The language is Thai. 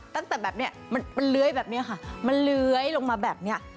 ตั้งแต่แบบเนี้ยมันเลื้อยแบบนี้ค่ะมันเลื้อยลงมาแบบนี้